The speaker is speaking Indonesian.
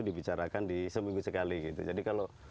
dibicarakan di seminggu sekali gitu jadi kalau